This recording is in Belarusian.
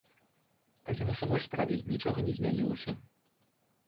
Але на самой справе нічога не змянілася.